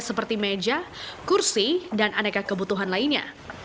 seperti meja kursi dan aneka kebutuhan lainnya